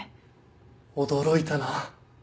驚いたな。